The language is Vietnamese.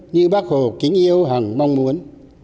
như bác hồ kính yêu hẳng mong muốn